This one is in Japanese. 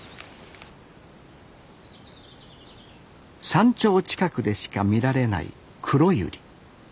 山頂近くでしか見られないクロユリ。